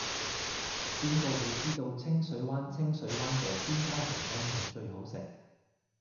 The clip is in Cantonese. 邊個會知道清水灣清水灣道邊間雲吞麵最好食